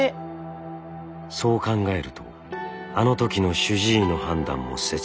そう考えるとあのときの主治医の判断も説明がつきます。